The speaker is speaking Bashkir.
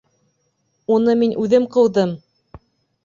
Уны мин үҙем ҡыуҙым!